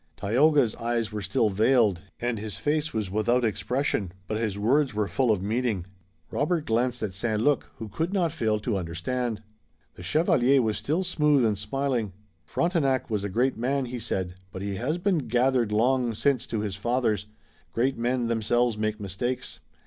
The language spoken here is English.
Tayoga's eyes were still veiled, and his face was without expression, but his words were full of meaning. Robert glanced at St. Luc, who could not fail to understand. The chevalier was still smooth and smiling. "Frontenac was a great man," he said, "but he has been gathered long since to his fathers. Great men themselves make mistakes.